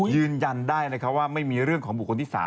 ยืนยันได้ว่าไม่มีเรื่องของบุคคลที่๓